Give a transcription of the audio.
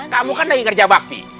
kamu kan lagi kerja bakti